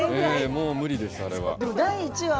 もう無理です、あれは。